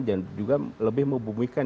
dan juga lebih membumikan